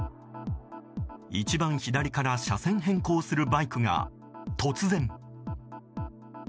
一番左から車線変更するバイクが突然。